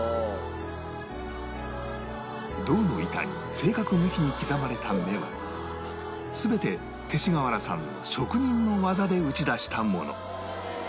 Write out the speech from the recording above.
銅の板に正確無比に刻まれた目は全て勅使川原さんの職人の技で打ち出したもの